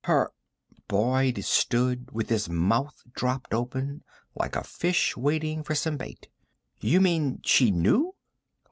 "Her " Boyd stood with his mouth dropped open, like a fish waiting for some bait. "You mean she knew?"